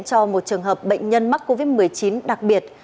cho một trường hợp bệnh nhân mắc covid một mươi chín đặc biệt